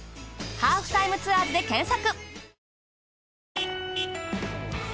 『ハーフタイムツアーズ』で検索。